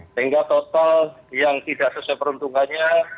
sehingga total yang tidak sesuai peruntungannya